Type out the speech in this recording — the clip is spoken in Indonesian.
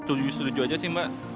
saya setuju saja mbak